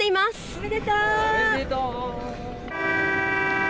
おめでとう！